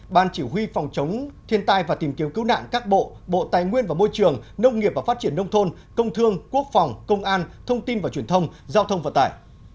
ban chỉ huy phòng chống thiên tai và tìm kiếm cứu nạn các bộ bộ tài nguyên và môi trường nông nghiệp và phát triển nông thôn công thương quốc phòng công an thông tin và truyền thông giao thông vận tải